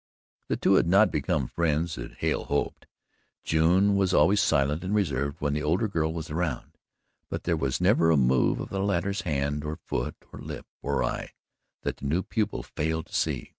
The two had not become friends as Hale hoped. June was always silent and reserved when the older girl was around, but there was never a move of the latter's hand or foot or lip or eye that the new pupil failed to see.